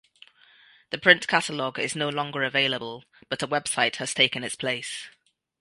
The print catalog is no longer available, but a website has taken its place.